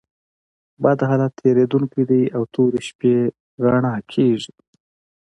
بد حالت تېرېدونکى دئ او توري شپې رؤڼا کېږي.